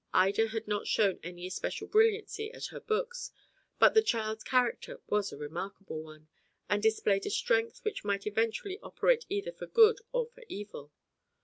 Ida had not shown any especial brilliancy at her books, but the child's character was a remarkable one, and displayed a strength which might eventually operate either for good or for evil.